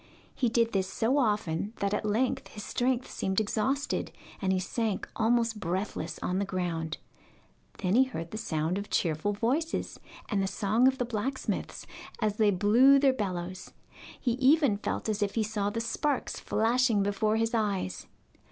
He did this so often that at length his strength seemed exhausted, and he sank almost breathless on the ground. Then he heard the sound of cheerful voices, and the song of the blacksmiths as they blew their bellows he even felt as if he saw the sparks flashing before his eyes.